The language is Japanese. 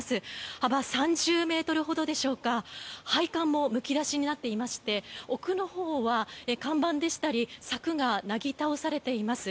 幅３０ｍほどでしょうか配管もむき出しになっていまして奥のほうは看板でしたり柵がなぎ倒されています。